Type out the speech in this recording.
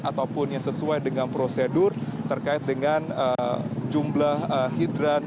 ataupun yang sesuai dengan prosedur terkait dengan jumlah hidran